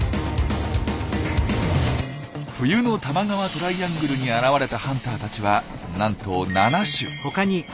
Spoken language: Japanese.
冬の多摩川トライアングルに現れたハンターたちはなんと７種。